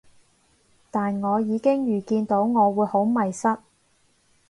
但我已經預見到我會好迷失